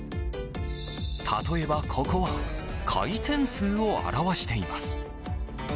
例えば、ここは回転数を表しています。